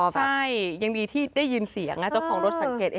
ใช่ยังดีที่ได้ยินเสียงเจ้าของรถสังเกต